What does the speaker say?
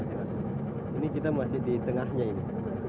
ini kita masih di tengahnya ini